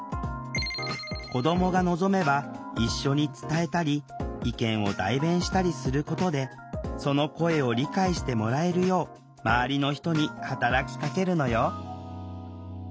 子どもが望めば一緒に伝えたり意見を代弁したりすることでその声を理解してもらえるよう周りの人に働きかけるのよ